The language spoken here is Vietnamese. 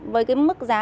với cái mức giá